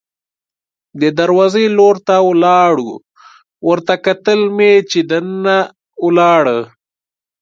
د دروازې لور ته ولاړو، ورته کتل مې چې دننه ولاړه.